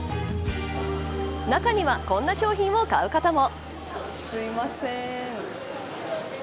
中には、こんな商品を買う方も。